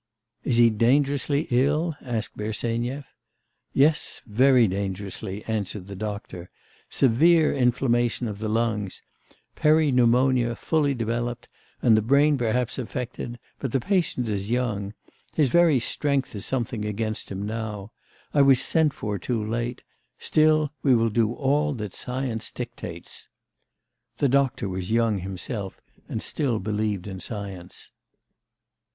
'Is he dangerously ill?' asked Bersenyev. 'Yes, very dangerously,' answered the doctor. 'Severe inflammation of the lungs; peripneumonia fully developed, and the brain perhaps affected, but the patient is young. His very strength is something against him now. I was sent for too late; still we will do all that science dictates.' The doctor was young himself, and still believed in science.